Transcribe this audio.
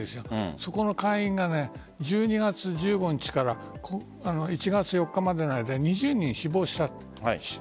そこの会員が１２月１５日から１月４日までの間に２０人死亡したと。